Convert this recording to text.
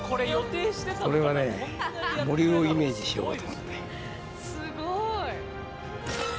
これはね森をイメージしようかと思って。